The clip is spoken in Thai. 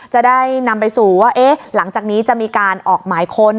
จะได้นำไปสู่ว่าหลังจากนี้จะมีการออกหมายค้น